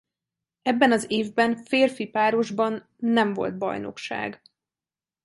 Ebben az évben férfi párosban nem volt bajnokság.